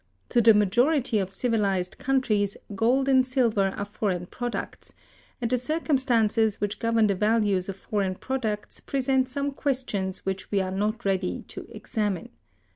To the majority of civilized countries gold and silver are foreign products: and the circumstances which govern the values of foreign products present some questions which we are not yet ready to examine.